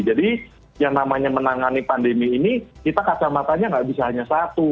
jadi yang namanya menangani pandemi ini kita kacamatanya nggak bisa hanya satu